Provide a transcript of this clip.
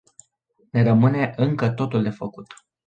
Ne rămâne încă totul de făcut.